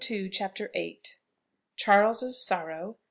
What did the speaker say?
CHAPTER VIII. CHARLES'S SORROW.